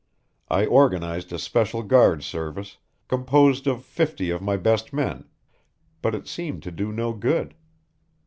I organized a special guard service, composed of fifty of my best men, but it seemed to do no good.